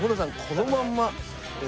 このまんま。